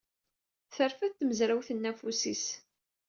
Terfed tmezrawt-nni afus-is.